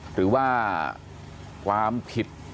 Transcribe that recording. หรือว่าความผิด